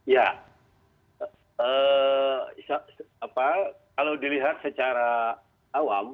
ya kalau dilihat secara awam